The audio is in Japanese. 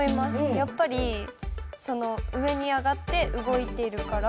やっぱり上に上がって動いてるから。